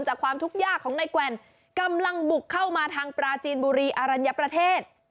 ความทุกข์ยากของนายแกวนกำลังบุกเข้ามาทางปราจีนบุรีอรัญญประเทศ